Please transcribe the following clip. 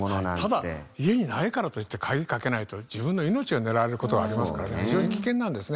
ただ家にないからといって鍵かけないと自分の命が狙われる事がありますからね非常に危険なんですね。